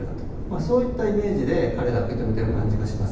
そういったイメージで彼らは受け止めている感じがします。